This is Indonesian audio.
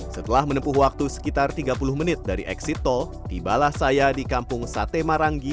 setelah menempuh waktu sekitar tiga puluh menit dari eksit tol tibalah saya di kampung sate marangi